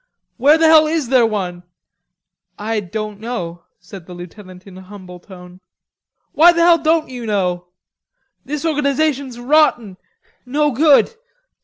"Where the hell is there one?" "I don't know," said the lieutenant in a humble tone. "Why the hell don't you know? This organization's rotten, no good....